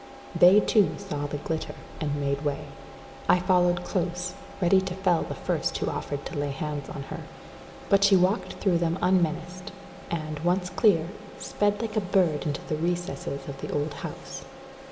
They, too, saw the glitter, and made way. I followed close, ready to fell the first who offered to lay hands on her. But she walked through them unmenaced, and, once clear, sped like a bird into the recesses of the old house.